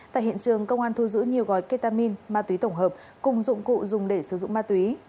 tại hiện trường công an thu giữ nhiều gói ketamin ma túy tổng hợp cùng dụng cụ dùng để sử dụng ma túy